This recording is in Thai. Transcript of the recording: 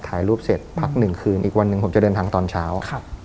ถ่ายรูปเสร็จพักหนึ่งคืนอีกวันหนึ่งผมจะเดินทางตอนเช้า